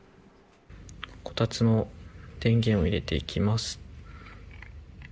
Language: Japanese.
こたつの電源を入れていきます。